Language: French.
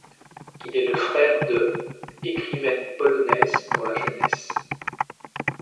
Il est le frère de écrivaine polonaise pour la jeunesse.